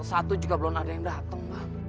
satu juga belum ada yang datang